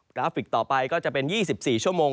ราฟิกต่อไปก็จะเป็น๒๔ชั่วโมง